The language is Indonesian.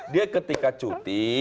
dia ketika cuti